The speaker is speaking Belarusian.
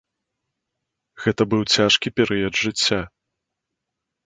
Гэты быў цяжкі перыяд жыцця.